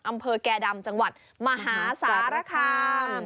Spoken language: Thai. อำเภอแก่ดำจังหวัดมหาสารคาม